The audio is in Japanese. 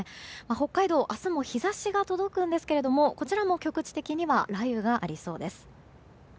北海道、明日も日差しが届くんですけれどもこちらも局地的には雷雨がありそうです。